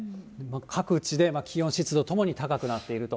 各地で気温、気温、湿度ともに高くなっていると。